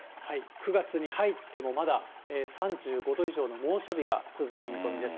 ９月に入ってもまだ３５度以上の猛暑日が続く見込みです。